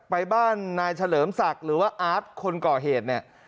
ไปบ้านนายเฉลิมสังหรือว่าอาร์ฟคนเกาะเหตุเนี่ย